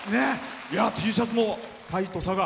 Ｔシャツも「ファイト佐賀」。